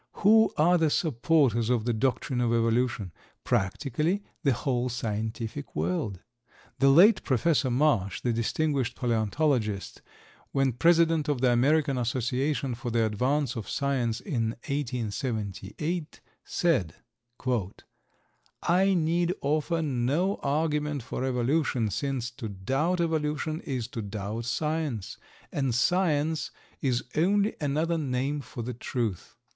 Who are the supporters of the doctrine of Evolution? Practically the whole scientific world. The late Professor Marsh, the distinguished palaeontologist, when president of the American Association for the Advance of Science in 1878, said: "I need offer no argument for Evolution, since to doubt evolution is to doubt science, and science is only another name for the truth."